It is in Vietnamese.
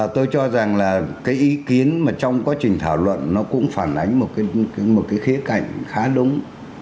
tôi cho rằng là cái ý kiến mà trong quá trình thảo luận nó cũng phản ánh một cái khía cạnh khá đúng